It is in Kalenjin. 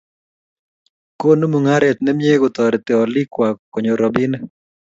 Konu mungaret ne mie kotoreti olikwak konyor robinik